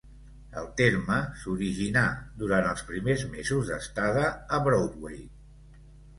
El terme s'originà durant els primers mesos d'estada a Broadway.